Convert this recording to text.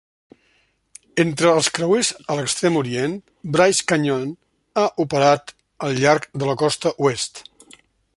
Entre els creuers a l?extrem Orient, "Bryce Canyon" ha operat al llarg de la Costa Oest.